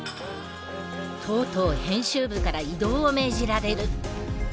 とうとう編集部から異動を命じられる。